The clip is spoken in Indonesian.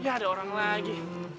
ya ada orang lagi